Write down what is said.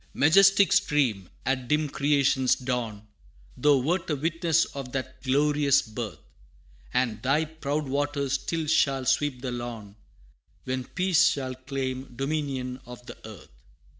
Majestic Stream! at dim Creation's dawn, Thou wert a witness of that glorious birth And thy proud waters still shall sweep the lawn When Peace shall claim dominion of the earth.